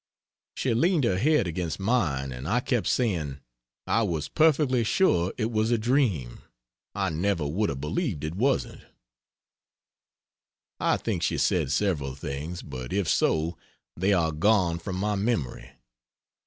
She leaned her head against mine and I kept saying, "I was perfectly sure it was a dream, I never would have believed it wasn't." I think she said several things, but if so they are gone from my memory.